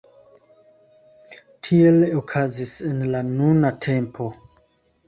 Tiel okazis en la nuna tempo.